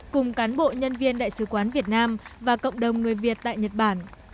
cùng cán bộ nhân viên đại sứ quán việt nam và cộng đồng người việt tại nhật bản